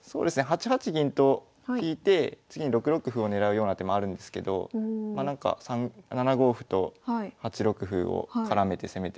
８八銀と引いて次に６六歩を狙うような手もあるんですけどなんか７五歩と８六歩を絡めて攻めてこられる。